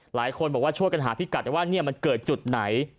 หลายคนบอกว่าช่วยกันหาพิกัดว่ามันเกิดจุดไหน